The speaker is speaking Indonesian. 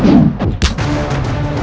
jangan parkir di kereta